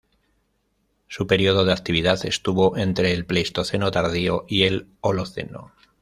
Su período de actividad estuvo entre el Pleistoceno tardío y el Holoceno.